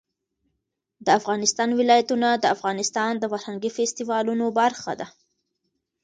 د افغانستان ولايتونه د افغانستان د فرهنګي فستیوالونو برخه ده.